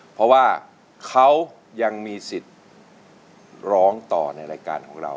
เพราะว่าเขายังมีสิทธิ์ร้องต่อในรายการของเรา